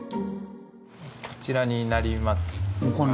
こちらになりますが。